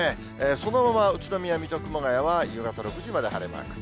そのまま宇都宮、水戸、熊谷は夕方６時まで晴れマーク。